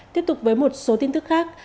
tiếp tục với một số tin tức khác